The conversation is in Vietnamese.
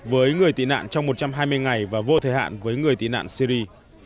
với người tị nạn trong một trăm hai mươi ngày và vô thời hạn với người tị nạn syri